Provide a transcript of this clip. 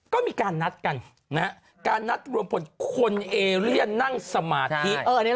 ก็มีการนัดกันนะฮะการนัดรวมผลคนเอเลียนนั่งสมาธิ